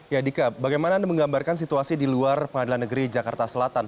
ya dika bagaimana anda menggambarkan situasi di luar pengadilan negeri jakarta selatan